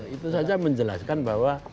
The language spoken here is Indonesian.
itu saja menjelaskan bahwa